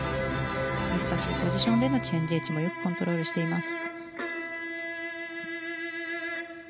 難しいポジションでのチェンジエッジもよくコントロールしています。